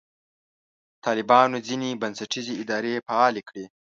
طالبانو ځینې بنسټیزې ادارې فعاله کړې.